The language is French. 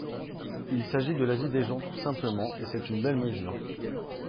Il s’agit de la vie des gens tout simplement, et c’est une belle mesure.